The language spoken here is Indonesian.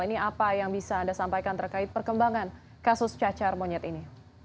ini apa yang bisa anda sampaikan terkait perkembangan kasus cacar monyet ini